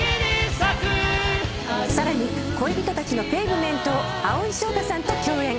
さらに『恋人達のペイヴメント』を蒼井翔太さんと共演。